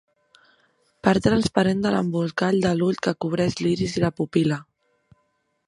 Part transparent de l'embolcall de l'ull que cobreix l'iris i la pupil·la.